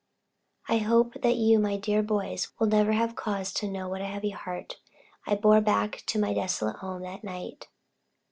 I hope that you, my dear boys, will never have cause to know what a heavy heart I bore back to my desolate home that night.